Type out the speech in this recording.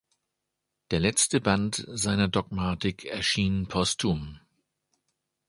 Der letzte Band seiner Dogmatik erschien postum.